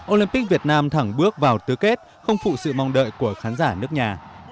olympic việt nam thẳng bước vào tứ kết không phụ sự mong đợi của khán giả nước nhà